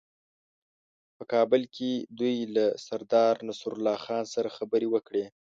په کابل کې دوی له سردارنصرالله خان سره خبرې وکړې.